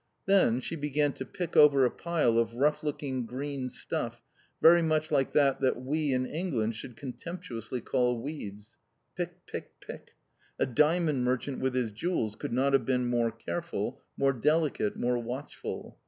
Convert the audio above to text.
Then she began to pick over a pile of rough looking green stuff, very much like that we in England should contemptuously call weeds. Pick, pick, pick! A diamond merchant with his jewels could not have been more careful, more delicate, more, watchful.